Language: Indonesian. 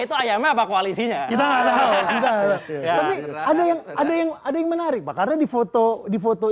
itu ayamnya apa koalisinya kita ada yang ada yang ada yang menarik bakarnya di foto di foto